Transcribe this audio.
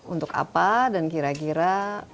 untuk apa dan kira kira